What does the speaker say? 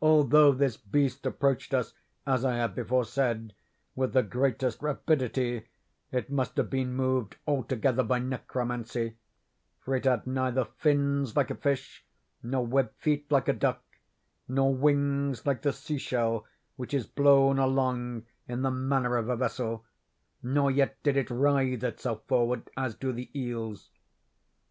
"'Although this beast approached us, as I have before said, with the greatest rapidity, it must have been moved altogether by necromancy—for it had neither fins like a fish nor web feet like a duck, nor wings like the seashell which is blown along in the manner of a vessel; nor yet did it writhe itself forward as do the eels.